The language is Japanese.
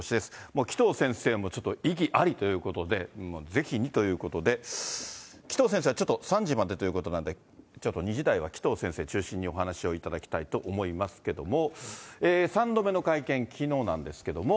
もう紀藤先生も、ちょっと異議ありということで、ぜひにということで、紀藤先生はちょっと、３時までということなんで、ちょっと２時台は紀藤先生中心にお話をいただきたいと思いますけども、３度目の会見、きのうなんですけれども。